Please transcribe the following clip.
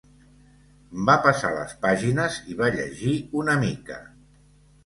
Va passar les pàgines i va llegir una mica.